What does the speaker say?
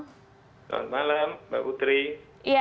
selamat malam mbak putri